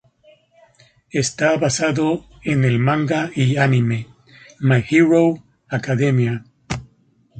Está basado en el manga y anime "My Hero Academia".